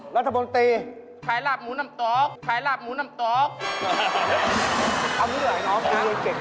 เอ้าอันนี้หรือไหมเอ๋ยน้องเพราะมันเรียนเก่งไหม